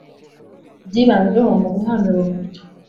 Ibyibanzweho mu guhana ubumenyi